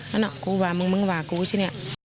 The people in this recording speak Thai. นั่นน่ะกูว่ามึงมึงว่ากูใช่เนี่ย